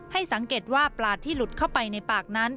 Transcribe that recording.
ให้สังเกตว่าปลาที่หลุดเข้าไปในปากนั้น